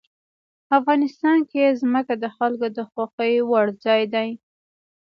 افغانستان کې ځمکه د خلکو د خوښې وړ ځای دی.